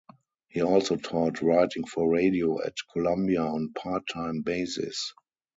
He also taught Writing for Radio at Columbia on a part-time basis.